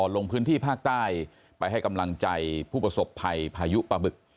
ลงพื้นที่ภาคใต้ไปให้กำลังใจผู้ประสบภัยพายุปะบึก